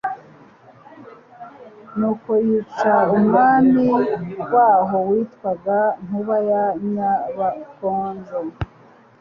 Nuko yica Umwami waho witwaga NKUBA YA NYABAKONJO,